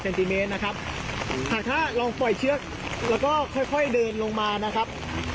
ติเมตรนะครับหากถ้าลองปล่อยเชือกแล้วก็ค่อยค่อยเดินลงมานะครับ